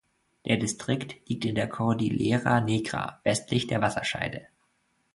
Der Distrikt liegt in der Cordillera Negra westlich der Wasserscheide.